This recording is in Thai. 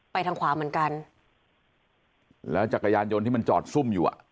ทางขวาเหมือนกันแล้วจักรยานยนต์ที่มันจอดซุ่มอยู่อ่ะ